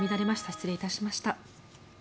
失礼いたしました。